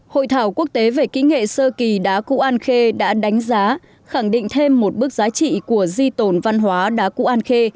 hội thảo quốc tế về kỹ nghệ sơ kỳ đá cụ an khê đã đánh giá khẳng định thêm một bước giá trị của di tồn văn hóa đá cụ an khê